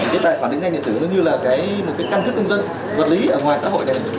cái tài khoản định danh điện tử nó như là cái một cái căn cước công dân vật lý ở ngoài xã hội này